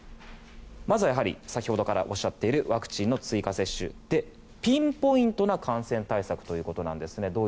まずは、やはり先ほどからおっしゃっているワクチンの追加接種でピンポイントな感染対策ということですね。